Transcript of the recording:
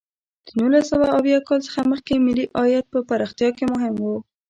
د نولس سوه اویا کال څخه مخکې ملي عاید په پرمختیا کې مهم و.